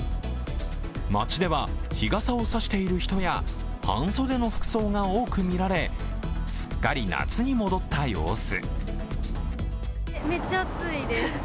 街では日傘を差している人や半袖の服装が多く見られ、すっかり夏に戻った様子。